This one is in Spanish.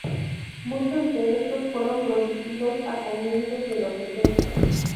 Muchos de estos fueron producidos a comienzos de los setenta.